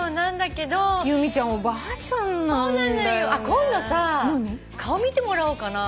今度さ顔見てもらおうかな。